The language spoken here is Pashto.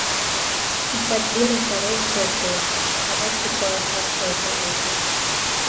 بد بینه سړی څوک دی؟ هغه چې په هر شي پوهېږي.